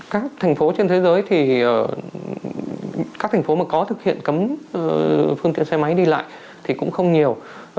các thành phố trên thế giới thì các thành phố mà có thực hiện cấm phương tiện xe máy đi lại thì cũng không nhiều